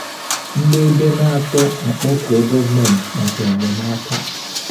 Ndị Ebenator Akpọkuo Gọọmenti Maka Enyemaka